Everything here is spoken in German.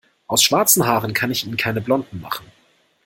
Aus schwarzen Haaren kann ich Ihnen keine blonden machen.